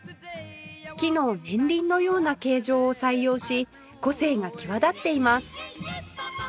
木の年輪のような形状を採用し個性が際立っています